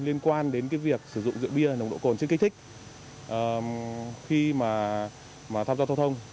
liên quan đến việc sử dụng rượu bia nồng độ cồn chưa kích thích khi mà tham gia giao thông